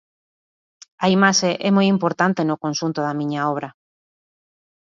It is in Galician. A imaxe é moi importante no conxunto da miña obra.